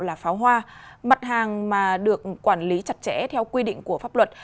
là pháo hoa mặt hàng mà được quản lý chặt chẽ theo quy định của pháp luật